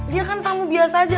dia kan tamu biasa aja